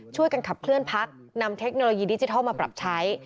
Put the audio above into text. ช่วยกันขับเคลื่อนพักนำเทคโนโลยีดิจิทัลมาปรับใช้